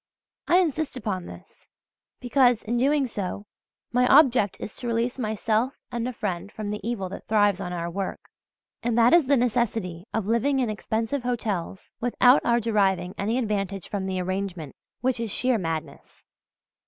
I insist upon this, because, in so doing, my object is to release myself and a friend from the evil that thrives on our work, and that is the necessity of living in expensive hotels without our deriving any advantage from the arrangement which is sheer madness.